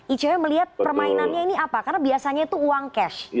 icw melihat permainannya ini apa karena biasanya itu uang cash